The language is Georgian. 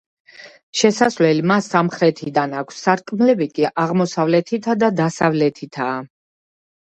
შესასვლელი მას სამხრეთიდან აქვს, სარკმლები კი აღმოსავლეთითა და დასავლეთითაა.